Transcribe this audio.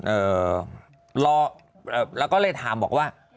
เอ่อรอแล้วก็เลยถามบอกว่า